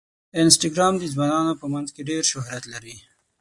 انسټاګرام د ځوانانو په منځ کې ډېر شهرت لري.